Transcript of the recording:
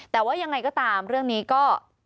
แต่ว่ายังไงก็ตามเรื่องนี้ก็